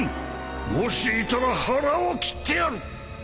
もしいたら腹を切ってやる！